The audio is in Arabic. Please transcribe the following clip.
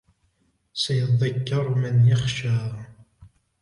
سيذكر من يخشى